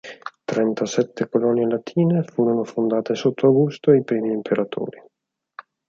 Trentasette colonie latine furono fondate sotto Augusto e i primi imperatori.